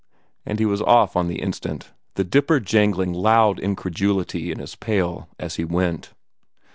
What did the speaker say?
and he was off on the instant, the dipper jangling loud incredulity in his pail as he went.